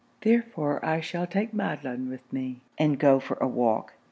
Therefore I shall take Madelon with me, and go for a walk.'